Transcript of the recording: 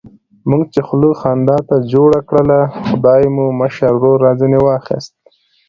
موږ چې خوله خندا ته جوړه کړله، خدای مو مشر ورور را ځنې واخیست.